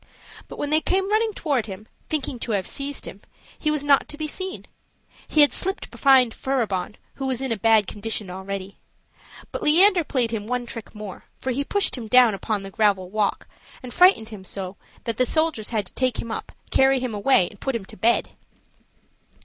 But when they came running toward him, thinking to have seized him, he was not to be seen; he had slipped behind Furibon, who was in a bad condition already. But Leander played him one trick more; for he pushed him down upon the gravel walk, and frightened him so that the soldiers had to take him up, carry him away, and put him to bed.